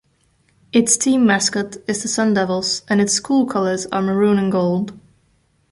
Its team mascot is the Sundevils and its school colors are Maroon and Gold.